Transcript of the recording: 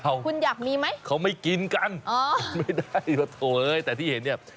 คุณอยากมีไหมเขาไม่กินกันอ๋อไม่ได้ละโถเอ้ยแต่ที่เห็นเนี่ย